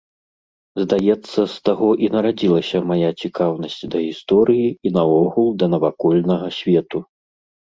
Здаецца, з таго і нарадзілася мая цікаўнасць да гісторыі і наогул да навакольнага свету.